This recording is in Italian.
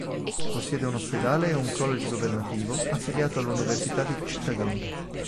Possiede un ospedale e un college governativo affiliato all'università di Chittagong.